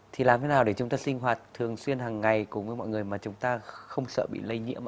thì làm thế nào để chúng ta sinh hoạt thường xuyên hàng ngày cùng với mọi người mà chúng ta không sợ bị lây nhiễm